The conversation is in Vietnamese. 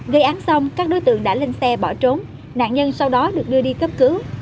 gây án xong các đối tượng đã lên xe bỏ trốn nạn nhân sau đó được đưa đi cấp cứu